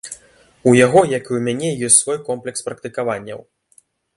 У яго, як і ў мяне, ёсць свой комплекс практыкаванняў.